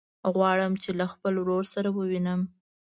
غواړم چې له خپل ورور سره ووينم.